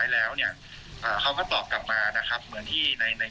พี่เขาด้วยถ้าเกิดว่าพี่เขาเคยถึงหุ้นสื่อ